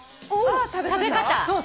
食べ方。